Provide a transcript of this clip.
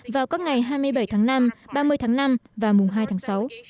vào các ngày hai mươi bảy tháng năm ba mươi tháng năm và mùng hai tháng sáu